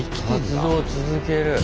活動を続ける。